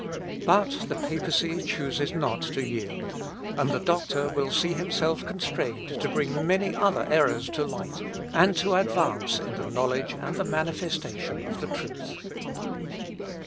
But the papacy chooses not to yield, and the doctor will see himself constrained to bring many other errors to light, and to advance in the knowledge and the manifestation of the truth.